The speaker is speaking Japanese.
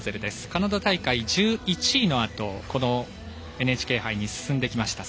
カナダ大会１１位のあとこのＮＨＫ杯に進んできました。